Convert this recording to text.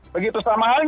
begitu sama halnya